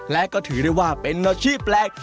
และก็ถือได้ว่าเป็นอาชีพแปลก